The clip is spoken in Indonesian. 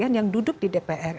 yang duduk di dpr